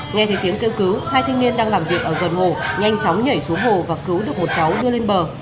nghe thấy tiếng kêu cứu hai thanh niên đang làm việc ở gần hồ nhanh chóng nhảy xuống hồ và cứu được một cháu đưa lên bờ